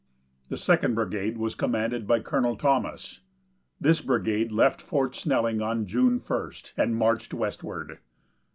The Second Brigade was commanded by Colonel Thomas. This brigade left Fort Snelling on June 1st, and marched westward.